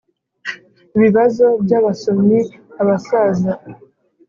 Ibibazo by abasomyi Abasaza